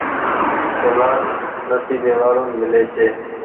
اولآد نسيبي وآڙون ميلي ڇي۔